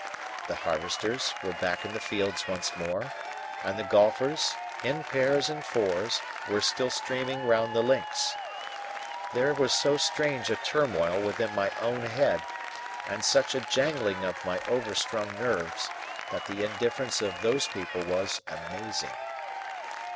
The harvesters were back in the fields once more and the golfers, in pairs and fours, were still streaming round the links. There was so strange a turmoil within my own head, and such a jangling of my overstrung nerves, that the indifference of those people was amazing.